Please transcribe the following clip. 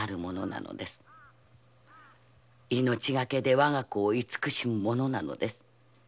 命がけでわが子を慈しむものなのです。